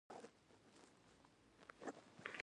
نهه دیرشم لوست